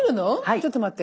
ちょっと待って。